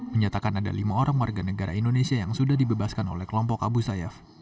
menyatakan ada lima orang warga negara indonesia yang sudah dibebaskan oleh kelompok abu sayyaf